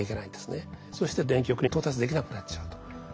そして電極に到達できなくなっちゃうと。